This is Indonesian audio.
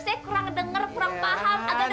saya kurang dengar kurang paham